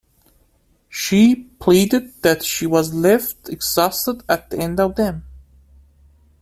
She pleaded that she was left exhausted at the end of them.